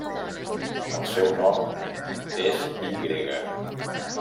El seu nom és i grega.